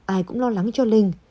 ai cũng lo lắng cho linh